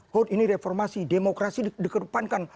hot ini reformasi demokrasi dikedepankan